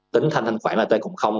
tính thanh khoản là tên cũng không